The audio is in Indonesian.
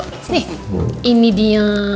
nih ini dia